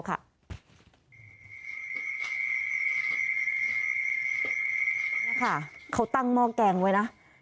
นี่ค่ะเขาตั้งหม้อแกงไว้นะ